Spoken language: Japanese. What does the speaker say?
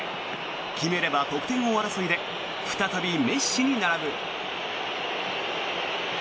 決めれば得点王争いで再びメッシに並ぶ。